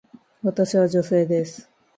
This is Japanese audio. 私は女性です。